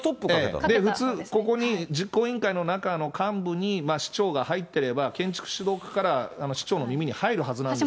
普通、ここに、実行委員会の中の幹部に市長が入ってれば、建築指導課から市長の耳に入るはずなんですけど。